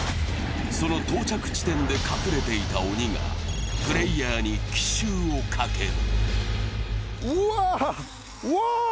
その到着地点で隠れていた鬼がプレーヤーに奇襲をかける。